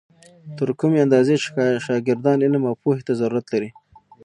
تر کومې اندازې چې شاګردان علم او پوهې ته ضرورت لري.